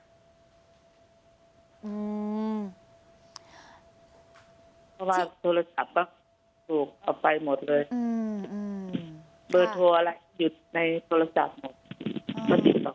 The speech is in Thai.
เพราะว่าโทรศัพท์ก็ถูกเอาไปหมดเลยเบอร์โทรอะไรหยุดในโทรศัพท์หมด